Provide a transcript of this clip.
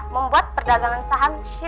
mama sedih banget noh